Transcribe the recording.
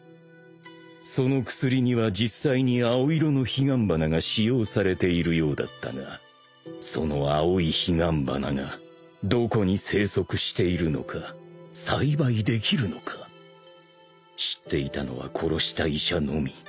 ［その薬には実際に青色の彼岸花が使用されているようだったがその青い彼岸花がどこに生息しているのか栽培できるのか知っていたのは殺した医者のみ］